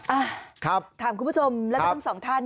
อ่ะถามคุณผู้ชมแล้วก็ทั้งสองท่าน